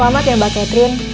selamat ya mbak catherine